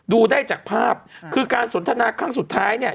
ดูได้จากภาพคือการสนทนาครั้งสุดท้ายเนี่ย